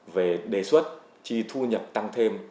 về đề xuất chi thu nhập tăng thêm